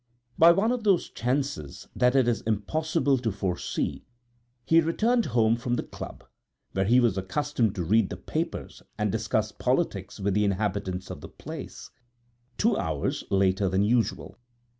By one of those chances that it is impossible to foresee, he returned home from the club (where he was accustomed to read the papers and discuss politics with the inhabitants of the place) two hours later than usual.